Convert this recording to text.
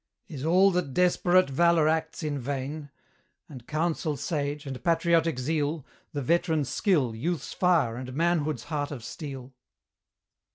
Is all that desperate Valour acts in vain? And Counsel sage, and patriotic Zeal, The veteran's skill, youth's fire, and manhood's heart of steel?